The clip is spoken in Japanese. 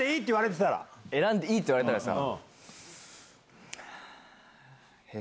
「選んでいい」って言われたらですか。